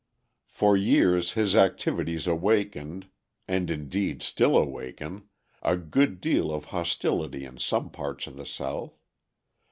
For years his activities awakened, and indeed still awaken, a good deal of hostility in some parts of the South.